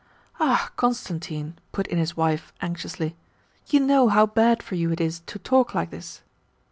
"Ah, Constantine," put in his wife anxiously, "you know how bad for you it is to talk like this."